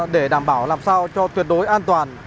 để đảm bảo làm sao cho tuyệt đối an toàn